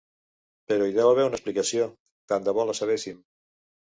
Però hi deu haver una explicació, tant de bo la sabéssim.